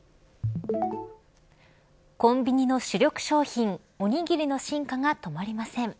コンビニの主力商品おにぎりの進化が止まりません。